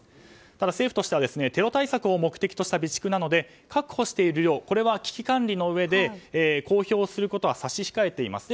ただ、政府としてはテロ対策を目的とした備蓄なので確保している量これは危機管理の上で公表することは差し控えています。